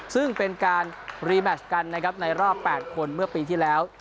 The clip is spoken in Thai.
ซึ่งเป็นการรีแมชกันในรอบแปดคนเมื่อปีที่แล้ว